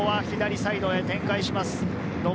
左サイドへ展開します。